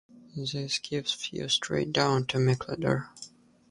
This gives views straight down to Mickledore.